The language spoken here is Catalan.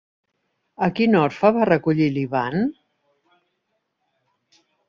A quin orfe va recollir Ivan?